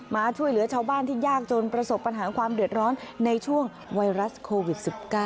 มาช่วยเหลือชาวบ้านที่ยากจนประสบปัญหาความเดือดร้อนในช่วงไวรัสโควิด๑๙